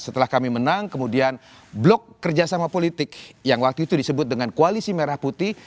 setelah kami menang kemudian blok kerjasama politik yang waktu itu disebut dengan koalisi merah putih